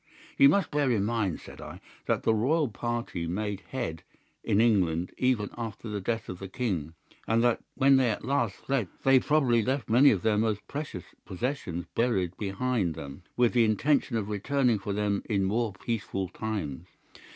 "'You must bear in mind,' said I, 'that the Royal party made head in England even after the death of the King, and that when they at last fled they probably left many of their most precious possessions buried behind them, with the intention of returning for them in more peaceful times.